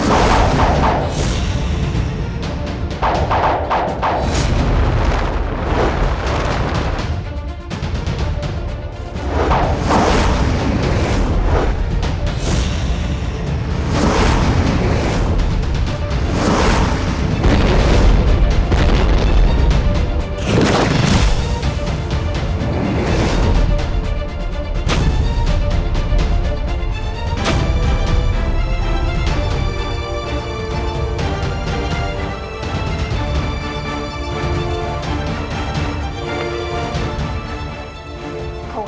aku tidak bisa melindungimu